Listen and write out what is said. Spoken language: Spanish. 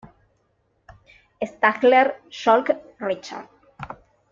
Stahler-Sholk, Richard.